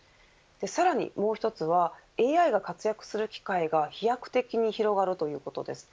さらにもう１つはＡＩが活躍する機会が飛躍的に広がるということです。